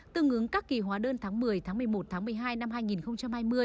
tương ứng các kỳ hóa đơn tháng một mươi tháng một mươi một tháng một mươi hai năm hai nghìn hai mươi